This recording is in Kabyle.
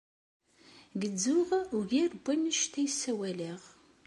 Gezzuɣ ugar n wanect ay ssawaleɣ.